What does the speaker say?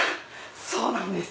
そうなんです。